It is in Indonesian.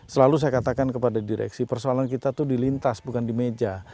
selalu saya katakan kepada direksi persoalan kita itu di lintas bukan di meja